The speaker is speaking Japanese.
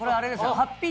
ハッピー